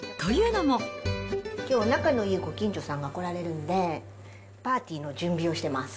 きょう、仲のいいご近所さんが来られるんで、パーティーの準備をしています。